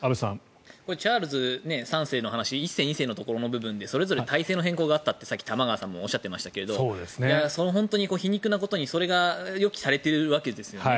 チャールズ３世の話１世、２世のところの部分でそれぞれ体制の変更があったってさっき玉川さんもおっしゃっていましたけど本当に皮肉なことにそれが予期されているわけですよね。